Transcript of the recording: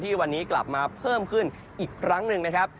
วันนี้กลับมาเพิ่มขึ้นอีกครั้งหนึ่งนะครับ